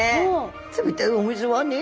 冷たいお水はね